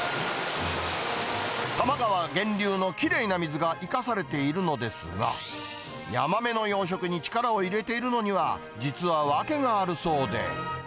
多摩川源流のきれいな水が生かされているのですが、ヤマメの養殖に力を入れているのには実は訳があるそうで。